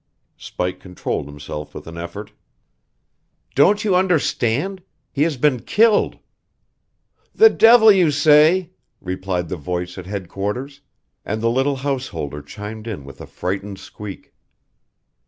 Spike controlled himself with an effort. "Don't you understand? He has been killed " "The devil you say!" replied the voice at headquarters, and the little householder chimed in with a frightened squeak.